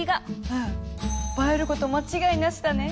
うん映えること間違いなしだね！